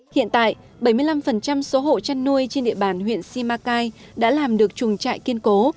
hiện tại bảy mươi năm số hộ chăn nuôi trên địa bàn huyện simacai đã làm được chuồng trại kiên cố